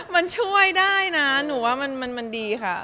มันช่วยได้นะหนูว่ามันดีค่ะ